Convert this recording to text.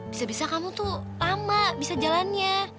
bisa bisa kamu tuh lama bisa jalannya